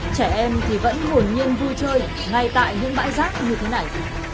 trẻ em thì vẫn hồn nhiên vui chơi ngay tại những bãi rác như thế này